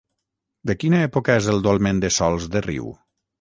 De quina època és el dolmen de Sòls de Riu?